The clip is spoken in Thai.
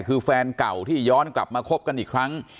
คือแฟนเก่าที่ย้อนกลับมาคบกันอีกครั้ง